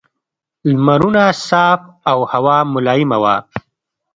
لمرونه صاف او هوا ملایمه وه.